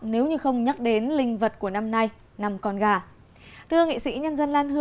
nếu không nhắc đến linh vật của năm nay